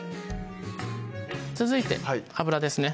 続いて油ですね